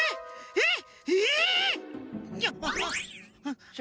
えっ！？